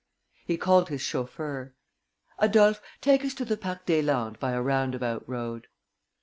He called his chauffeur: "Adolphe, take us to the Parc des Landes by a roundabout road."